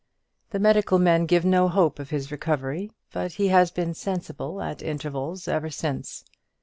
The medical men give no hope of his recovery; but he has been sensible at intervals ever since.